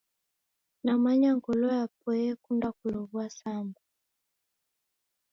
Namanya ngolo yapo yakunde kulowua Samba